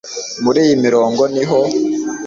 Muri iyi mirongo niho